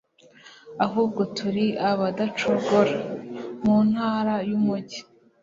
ahubwo turi abadacogora , mu ntara y'umujyi